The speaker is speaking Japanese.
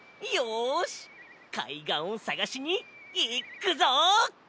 よしかいがんをさがしにいっくぞ！